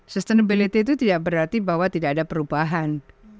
sustainability itu tidak berarti bahwa tidak ada perubahan